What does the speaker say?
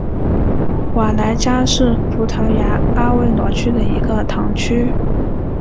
瓦莱加是葡萄牙阿威罗区的一个堂区。